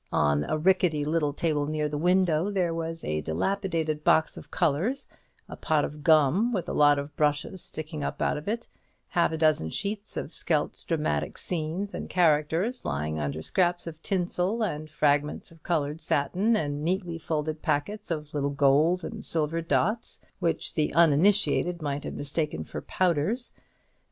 On a rickety little table near the window there was a dilapidated box of colours, a pot of gum with a lot of brushes sticking up out of it, half a dozen sheets of Skelt's dramatic scenes and characters lying under scraps of tinsel, and fragments of coloured satin, and neatly folded packets of little gold and silver dots, which the uninitiated might have mistaken for powders.